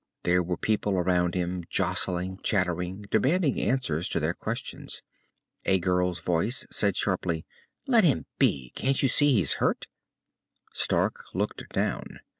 There were people around him, jostling, chattering, demanding answers to their questions. A girl's voice said sharply, "Let him be! Can't you see he's hurt?" Stark looked down.